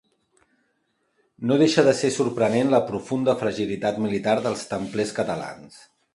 No deixa de ser sorprenent la profunda fragilitat militar dels templers catalans.